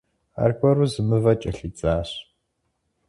Аргуэру зы мывэ кӀэлъидзащ.